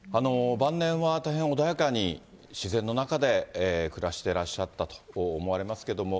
晩年は大変穏やかに、自然の中で暮らしてらっしゃったと思われますけれども、